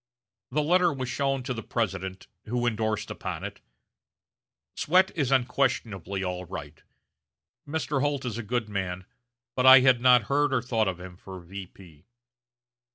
The letter was shown to the President, who indorsed upon it: "Swett is unquestionably all right. Mr. Holt is a good man, but I had not heard or thought of him for V.